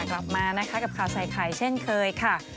กลับมานะคะกับข่าวใส่ไข่เช่นเคยค่ะ